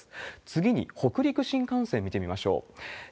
次に、北陸新幹線見てみましょう。